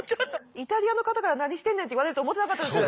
イタリアの方から「何してんねん」って言われると思ってなかったです。